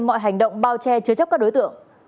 mọi hành động bao che chứa chấp các đối tượng